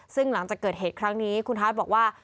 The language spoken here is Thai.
ซึ่งหลังจากเกิดเหตุครั้งนี้คุณฮาร์ดบอกว่า